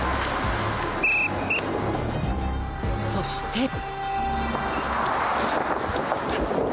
そして。